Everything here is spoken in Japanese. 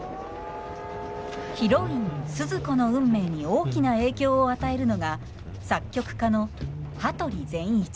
ヒロインスズ子の運命に大きな影響を与えるのが作曲家の羽鳥善一。